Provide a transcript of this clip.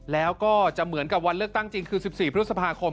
แล้วก็จะเหมือนกับวันเลือกตั้งจริงคือ๑๔พฤษภาคม